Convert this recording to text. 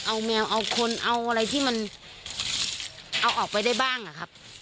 เอาแมวเอาคนเอาอะไรที่มันเอาออกไปได้บ้างอะครับ